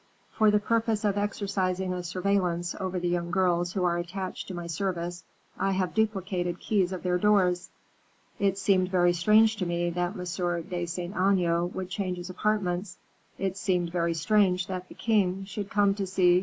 For the purpose of exercising a surveillance over the young girls who are attached to my service, I have duplicate keys of their doors. It seemed very strange to me that M. de Saint Aignan should change his apartments. It seemed very strange that the king should come to see M.